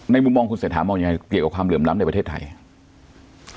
มุมมองคุณเศรษฐามองยังไงเกี่ยวกับความเหลื่อมล้ำในประเทศไทยครับ